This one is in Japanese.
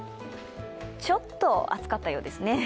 ちょっと暑かったようですね。